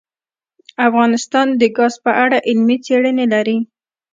افغانستان د ګاز په اړه علمي څېړنې لري.